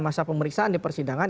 masa pemeriksaan di persidangan